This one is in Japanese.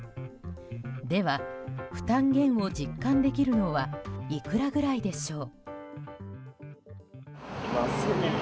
では、負担減を実感できるのはいくらぐらいでしょう。